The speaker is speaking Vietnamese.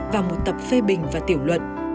và một tập phê bình và tiểu luận